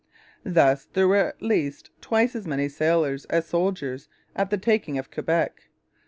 Thus there were at least twice as many sailors as soldiers at the taking of Quebec.